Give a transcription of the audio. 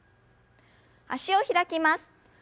脚を開きます。